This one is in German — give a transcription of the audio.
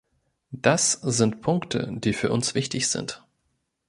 Das sind Punkte, die für uns wichtig sind.